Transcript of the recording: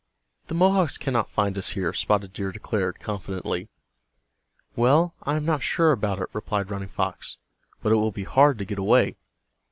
"The Mohawks cannot find us here," Spotted Deer declared, confidently. "Well, I am not sure about it," replied Running Fox. "But it will be hard to get away."